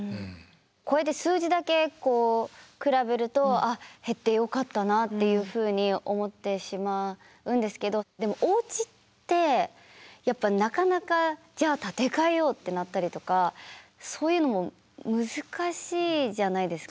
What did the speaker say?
こうやって数字だけ比べるとあっ減ってよかったなっていうふうに思ってしまうんですけどでもおうちってやっぱなかなかじゃあ建て替えようってなったりとかそういうのも難しいじゃないですか。